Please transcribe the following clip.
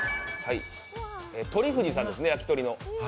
とり藤さんですね、焼き鶏の。